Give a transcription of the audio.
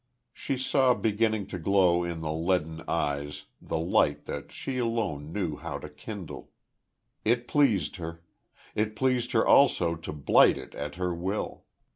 She saw beginning to glow in the leaden eyes the light that she alone knew how to kindle.... It pleased her.... It pleased her also to blight it at her will.